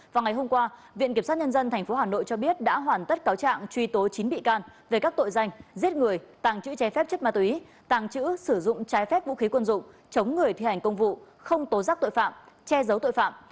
vào ngày hôm qua viện kiểm sát nhân dân tp hà nội cho biết đã hoàn tất cáo trạng truy tố chín bị can về các tội danh giết người tàng trữ trái phép chất ma túy tàng trữ sử dụng trái phép vũ khí quân dụng chống người thi hành công vụ không tố giác tội phạm che giấu tội phạm